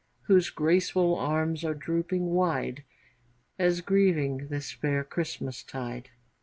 Whose graceful arms are drooping wide As grieving this fair Christmastide.